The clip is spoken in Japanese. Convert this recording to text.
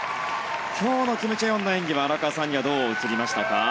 今日のキム・チェヨンの演技は荒川さんにはどう映りましたか？